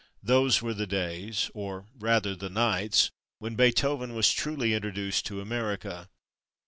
Those were the days or, rather, the nights when Beethoven was truly introduced to America.